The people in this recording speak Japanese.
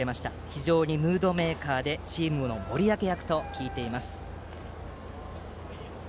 非常にムードメーカーでチームの盛り上げ役と聞いています。